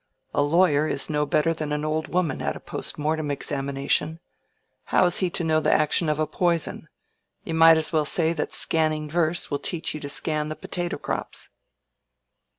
A lawyer is no better than an old woman at a post mortem examination. How is he to know the action of a poison? You might as well say that scanning verse will teach you to scan the potato crops."